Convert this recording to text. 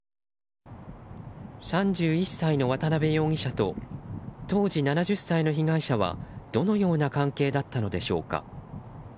３１歳の渡部容疑者と当時７０歳の被害者はどのような関係だったのでしょうか。